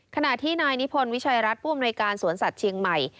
ขณะที่นายนิพนธ์วิชัยรัฐผู้อำนวยการสวนสัตว์เชียงใหม่